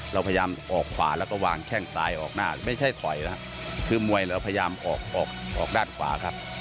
เราพยายามออกขวาแล้วก็วางแข้งซ้ายออกหน้าไม่ใช่ถอยแล้วคือมวยเราพยายามออกออกด้านขวาครับ